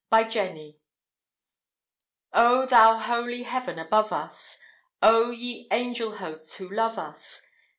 BY "JENNIE." O, thou holy Heaven above us! O, ye angel hosts who love us!